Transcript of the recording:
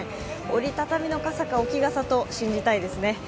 折り畳みの傘か置き傘と信じたいですね。